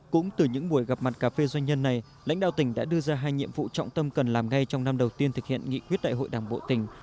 cũng từ những buổi gặp mặt cà phê doanh nhân này lãnh đạo tỉnh đã đưa ra hai nhiệm vụ trọng tâm cần làm ngay trong năm đầu tiên thực hiện nghị quyết đại hội đảng bộ tỉnh